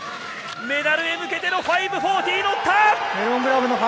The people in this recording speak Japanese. メダルへ向けての５４０、乗った！